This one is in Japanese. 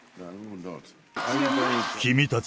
君たち